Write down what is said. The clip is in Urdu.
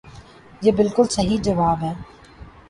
یہ بلکل صحیح جواب ہے۔